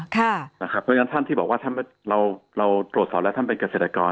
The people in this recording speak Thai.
เพราะฉะนั้นท่านที่บอกว่าเราตรวจสอบแล้วท่านเป็นเกษตรกร